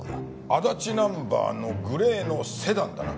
足立ナンバーのグレーのセダンだな？